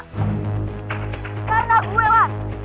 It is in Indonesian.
karena gue man